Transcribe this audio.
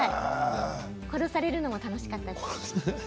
殺されるのも楽しかったです。